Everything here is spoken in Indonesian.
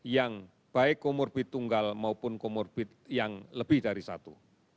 yang baik komorbit tunggal maupun komorbit yang lebih dari satu